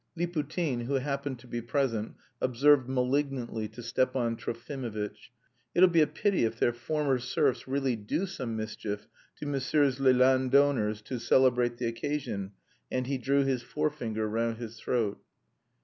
Liputin, who happened to be present, observed malignantly to Stepan Trofimovitch: "It'll be a pity if their former serfs really do some mischief to messieurs les landowners to celebrate the occasion," and he drew his forefinger round his throat.